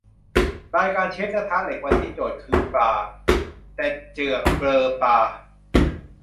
รายการเชฟกระทะเหล็กวันนี้โจทย์คือปลา แต่เจือกเบลอปลา